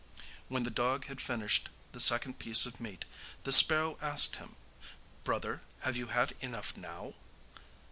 When the dog had finished the second piece of meat, the sparrow asked him: 'Brother, have you had enough now?